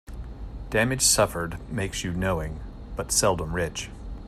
Damage suffered makes you knowing, but seldom rich.